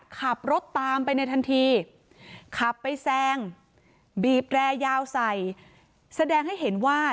ขับรถตามไปในทันทีขับไปแซงบีบแรยาวใส่แสดงให้เห็นว่า